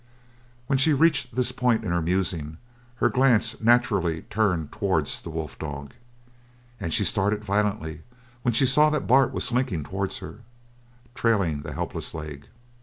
When she reached this point in her musings her glance naturally turned towards the wolf dog, and she started violently when she saw that Bart was slinking towards her, trailing the helpless leg.